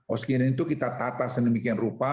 oksigen itu kita tata sedemikian rupa